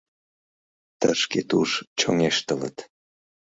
Тышке-туш чоҥештылыт...